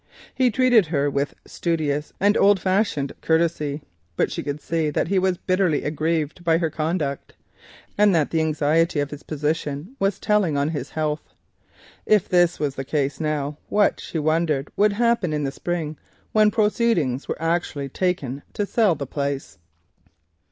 He treated her with studious and old fashioned courtesy, but she could see that he was bitterly aggrieved by her conduct and that the anxiety of his position was telling on his health. If this was the case now, what, she wondered, would happen in the Spring, when steps were actually taken to sell the place?